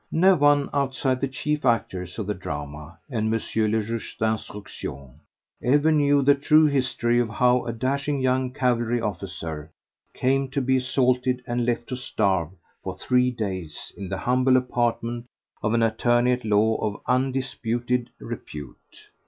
No one outside the chief actors of the drama and M. le Juge d'Instruction ever knew the true history of how a dashing young cavalry officer came to be assaulted and left to starve for three days in the humble apartment of an attorney at law of undisputed repute.